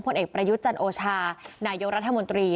ผลเอกประยุทธ์จันโอชานายกรัฐมนตรี